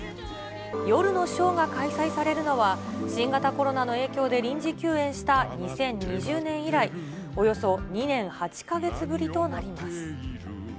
夜のショーが開催されるのは新型コロナの影響で臨時休園した２０２０年以来、およそ２年８か月ぶりとなります。